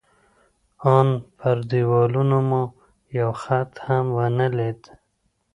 ان پر دېوالونو مو یو خط هم ونه لید.